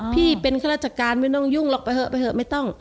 พี่เป็นข้าราชการไม่ต้องยุ่งหรอกไปเถอะไปเถอะไม่ต้อง